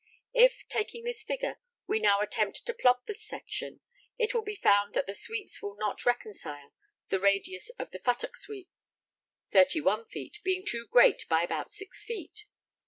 If, taking this figure, we now attempt to plot the section, it will be found that the sweeps will not reconcile, the radius of the futtock sweep, 31 feet, being too great by about 6 feet.